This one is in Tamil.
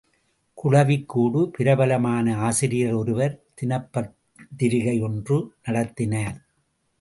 குளவிக் கூடு பிரபலமான ஆசிரியர் ஒருவர் தினப் பத்திரிகை ஒன்று நடத்தினார்.